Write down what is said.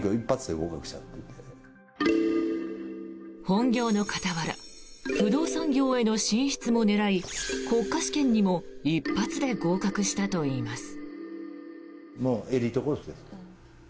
本業の傍ら不動産業への進出も狙い国家試験にも一発で合格したといいます。